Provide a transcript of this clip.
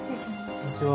こんにちは。